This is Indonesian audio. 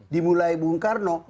dimulai bung karno